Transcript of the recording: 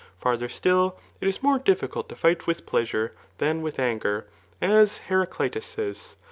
Farther still, it is mot% • ^Kfficult to £ght with pleasure, than mtfa anger, ae Hera cKtus says.